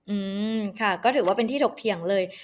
อืมค่ะก็ถือว่าเป็นที่ถกเถียงเลย